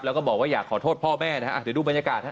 แล้วก็บอกว่าอยากขอโทษพ่อแม่นะฮะเดี๋ยวดูบรรยากาศฮะ